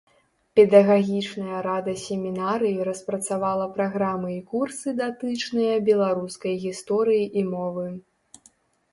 Педагагічная рада семінарыі распрацавала праграмы і курсы датычныя беларускай гісторыі і мовы.